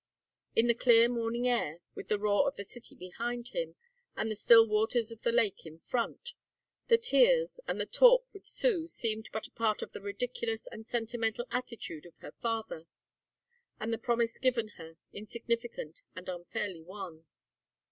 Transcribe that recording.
In the clear morning air, with the roar of the city behind him and the still waters of the lake in front, the tears, and the talk with Sue seemed but a part of the ridiculous and sentimental attitude of her father, and the promise given her insignificant and unfairly won.